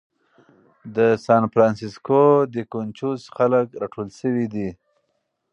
د سان فرانسیسکو دې کونچوز خلک راټول شوي دي.